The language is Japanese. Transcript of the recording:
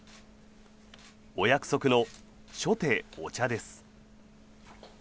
お約束の初手お茶です。